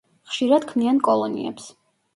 ხშირად ქმნიან კოლონიებს.